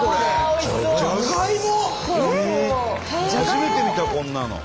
初めて見たこんなの。